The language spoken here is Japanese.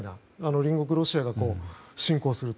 隣国のロシアが侵攻すると。